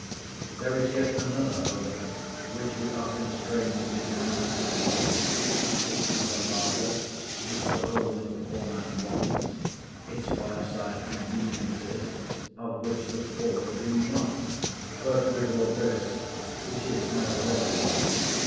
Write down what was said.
There is yet another home, which we are constrained to deny to be one. It has a larder, which the home of the poor man wants; its fireside conveniences, of which the poor dream not. But with all this, it is no home.